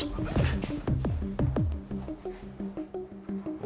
baik pak bos